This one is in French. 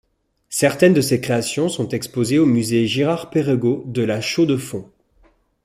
Certaines de ses créations sont exposées au Musée Girard-Perregaux de La Chaux-de-Fonds.